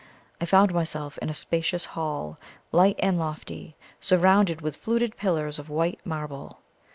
I found myself in a spacious hall, light and lofty, surrounded with fluted pillars of white marble.